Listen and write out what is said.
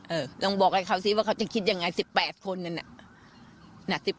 เออลองบอกให้เขาสิว่าเขาจะคิดยังไง๑๘คนนั่นน่ะ